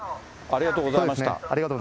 ありがとうございます。